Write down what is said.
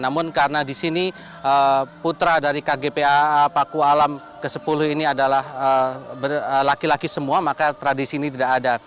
namun karena di sini putra dari kgpaa paku alam ke sepuluh ini adalah laki laki semua maka tradisi ini tidak ada